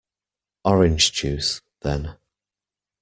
Orange juice, then.